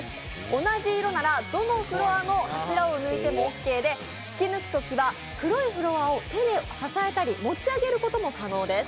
同じ色ならどのフロアの柱を抜いてもオーケーで引き抜くときは黒いフロアを手で支えたり持ち上げることも可能です。